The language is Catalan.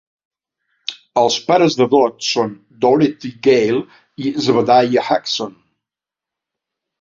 Els pares de Dot són Dorothy Gale i Zebediah Hugson.